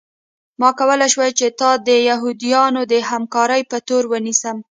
ما کولی شول چې تا د یهودانو د همکارۍ په تور ونیسم